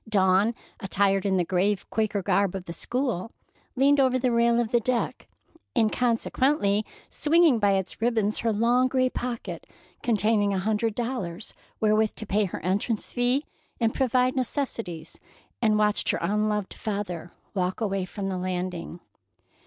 Dawn, attired in the grave Quaker garb of the school, leaned over the rail of the deck, inconsequently swinging by its ribbons her long gray pocket containing a hundred dollars wherewith to pay her entrance fee and provide necessities, and watched her unloved father walk away from the landing.